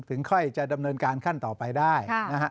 ค่อยจะดำเนินการขั้นต่อไปได้นะฮะ